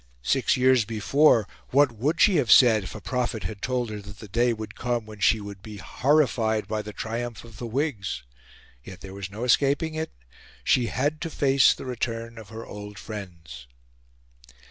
Six years before, what would she have said, if a prophet had told her that the day would come when she would be horrified by the triumph of the Whigs? Yet there was no escaping it; she had to face the return of her old friends.